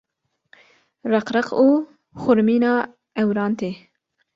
req req û xurmîna ewran tê.